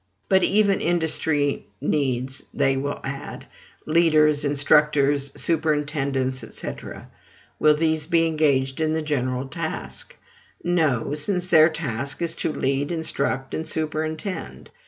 But every industry needs they will add leaders, instructors, superintendents, &c. Will these be engaged in the general task? No; since their task is to lead, instruct, and superintend.